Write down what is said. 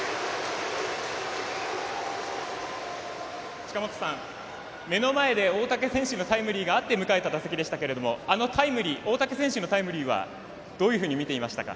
近本さん、目の前で大竹選手がタイムリーがあって迎えた打席でしたけどあのタイムリー大竹選手のタイムリーはどういうふうに見ていましたか？